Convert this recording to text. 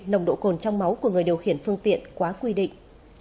nồng độ cồn trong máu của người điều khiển phương tiện quá quy định